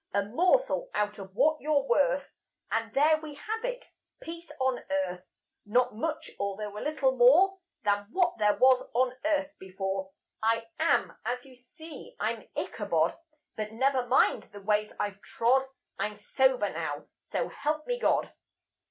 "A morsel out of what you're worth, And there we have it: Peace on Earth. Not much, although a little more Than what there was on earth before. I'm as you see, I'm Ichabod, But never mind the ways I've trod; I'm sober now, so help me God."